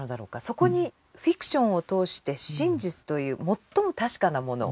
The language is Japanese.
そこにフィクションを通して真実という最も確かなもの